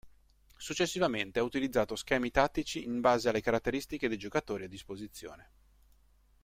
Successivamente ha utilizzato schemi tattici in base alle caratteristiche dei giocatori a disposizione.